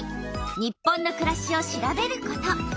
「日本のくらし」を調べること。